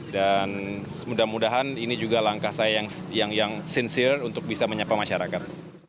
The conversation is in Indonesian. dan semudah mudahan ini juga langkah saya yang sincere untuk bisa menyapa masyarakat